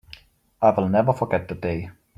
I will never forget that day.